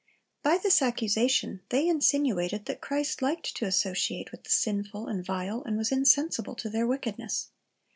By this accusation they insinuated that Christ liked to associate with the sinful and vile, and was insensible to their wickedness.